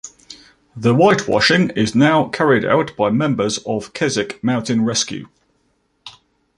The whitewashing is now carried out by members of Keswick Mountain Rescue.